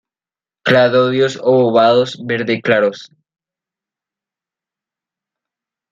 Cladodios obovados, verde claros.